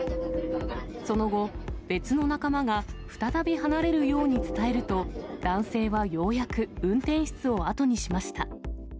その後、別の仲間が再び離れるように伝えると、男性はようやく運転室を後にしました。